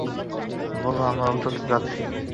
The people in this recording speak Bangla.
বলো আমরা উঁচুতে যাচ্ছি।